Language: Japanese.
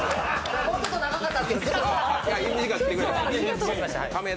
もうちょっと長かったんです。